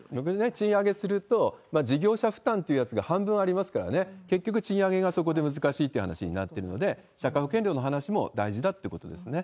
賃上げすると、事業者負担というやつが半分ありますからね、結局、賃上げがそこで難しいって話になってるので、社会保険料の話も大事だってことですね。